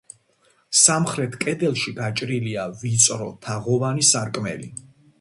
სამხრეთ კედელში გაჭრილია ვიწრო, თაღოვანი სარკმელი.